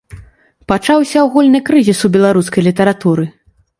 Пачаўся агульны крызіс у беларускай літаратуры.